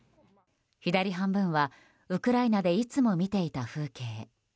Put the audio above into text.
左半分はウクライナでいつも見ていた風景。